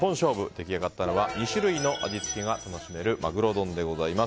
出来上がったのは２種類の味付けが楽しめるマグロ丼でございます。